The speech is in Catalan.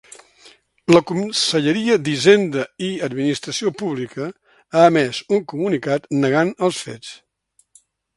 La Conselleria d'Hisenda i Administració Pública ha emès un comunicat negant els fets.